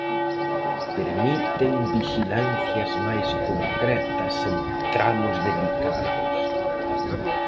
Permiten vixilancias máis concretas en tramos delicados.